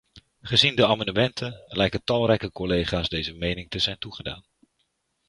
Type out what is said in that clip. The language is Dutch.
Gezien de amendementen lijken talrijke collega's deze mening te zijn toegedaan.